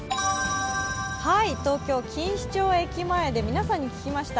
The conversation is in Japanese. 東京・錦糸町駅前で皆さんに聞きました。